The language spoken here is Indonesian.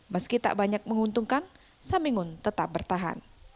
meski tak banyak menguntungkan samingun tetap bertahan